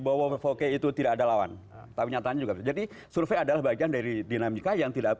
bowo foke itu tidak ada lawan tapi nyatanya juga jadi survei adalah bagian dari dinamika yang tidak